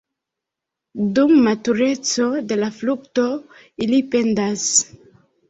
Dum matureco de la frukto ili pendas.